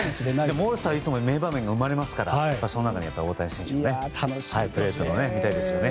オールスターはいつも名場面が生まれますからそんな中で大谷選手も見たいですよね。